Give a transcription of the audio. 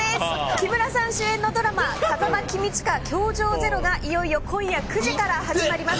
木村さん主演のドラマ「風間公親‐教場０‐」がいよいよ今夜９時から始まります。